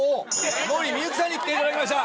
井森美幸さんに来ていただきました。